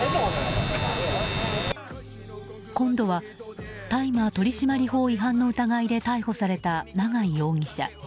今度は大麻取締法違反の疑いで逮捕された永井容疑者。